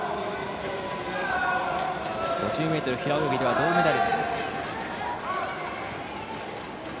５０ｍ平泳ぎでは銅メダル。